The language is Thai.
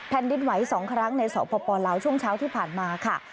แผ่นดินไหวสองครั้งในสพลช่วงเช้าที่ผ่านมาค่ะ